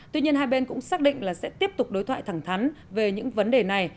tuy nhiên hai bên cũng xác định là sẽ tiếp tục đối thoại thẳng thắn về những vấn đề này